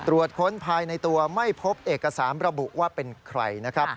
ค้นภายในตัวไม่พบเอกสารระบุว่าเป็นใครนะครับ